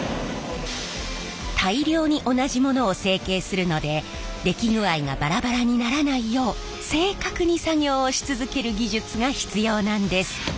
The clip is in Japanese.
大量に同じものを成形するので出来具合がバラバラにならないよう正確に作業をし続ける技術が必要なんです。